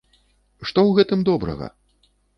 Што ў гэтым добрага?